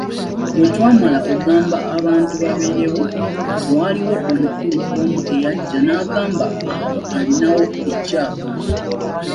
Bwe twamala okugamba abantu babeerewo, waliwo omukulu omu eyajja n’angamba awo alinawo ekyapa.